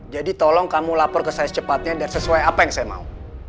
jadi tolong kamu lapor ke saya secepatnya dan sesuai apa yang saya mau